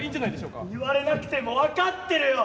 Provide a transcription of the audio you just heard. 言われなくても分かってるよ！